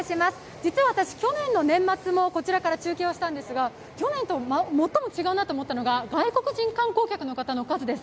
実は私、去年の年末もこちらから中継したんですが去年と最も違うなと思ったのは外国人観光客の方の数です。